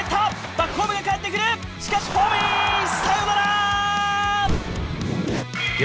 バックホームで返ってくるしかしホームインサヨナラ！